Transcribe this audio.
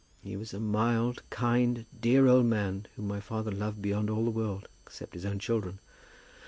He was a mild, kind, dear old man, whom my father loved beyond all the world, except his own children.